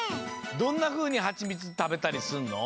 どんなふうにハチミツたべたりすんの？